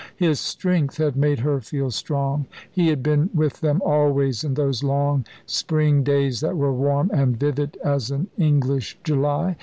His strength had made her feel strong. He had been with them always, in those long Spring days that were warm and vivid as an English July.